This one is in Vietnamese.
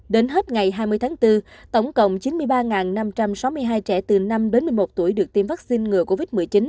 đến hết ngày hai mươi tháng bốn tổng cộng chín mươi ba năm trăm sáu mươi hai trẻ từ năm đến một mươi một tuổi được tiêm vaccine ngừa covid một mươi chín